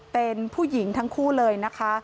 เป็นผู้หญิงทั้งคู่เลยนะคะ